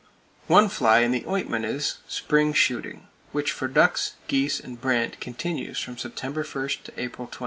One fly in the ointment is—spring shooting; which for ducks, geese and brant continues from September 1 to April 20.